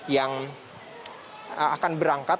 yang akan berangkat